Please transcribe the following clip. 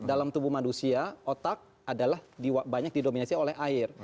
dalam tubuh manusia otak adalah banyak didominasi oleh air